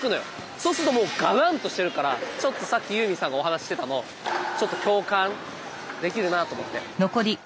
そうするともうがらんとしてるからちょっとさっきユーミンさんがお話ししてたのちょっと共感できるなあと思って。